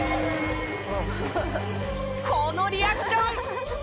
このリアクション！